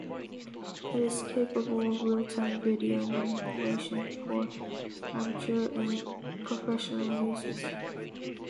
It is capable of real-time video manipulation, for amateur and professional uses.